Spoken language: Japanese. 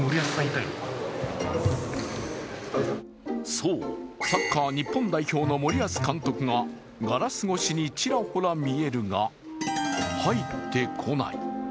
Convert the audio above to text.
そう、サッカー日本代表の森保監督がガラス越しにちらほら見えるが入ってこない。